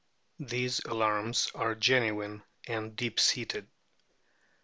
These alarms are genuine and deep seated.